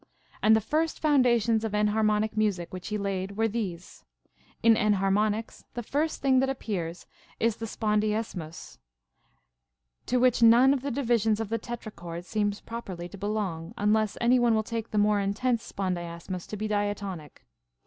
And the first foundations of enharmonic music which he laid Avere these : in enliar monics the first thing that appears is the spondiasmus,f to Avhich none of the divisions of the tetrachord seems prop erly to belong, unless any one will take the more intense spondiasmus to be diatonic.